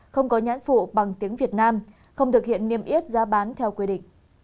không có nhãn phụ bằng tiếng việt nam không thực hiện niêm yết giá bán theo quy định